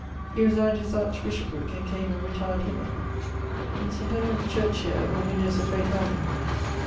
He resigned his archbishoprick, and came and retired hither. In St. Edmund's church here, were windowes of great value.